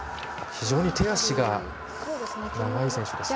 非常に手足が長い選手ですね。